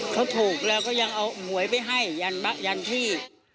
เขาถูกแล้วก็ยังเอาหวยไปให้ยันที่